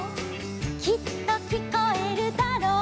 「きっと聞こえるだろう」